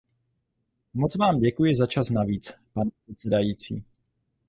Moc vám děkuji za čas navíc, pane předsedající.